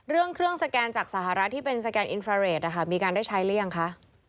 เรื่องเครื่องสแกนจากสหรัฐที่เป็นสแกนอินฟราเรทมีการได้ใช้หรือยังคะ